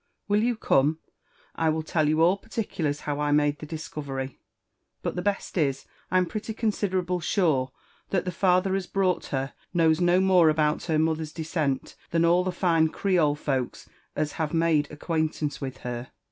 When you come, I will tell you all particlars how I made the discovery. But the best is, Tm pretty considerable sure that the father as brought her knows no more about her mother's decent than all the fine Creole folks as have made ac quaintance with her.